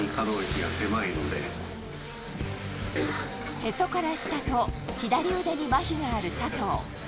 へそから下と左腕に麻痺がある佐藤。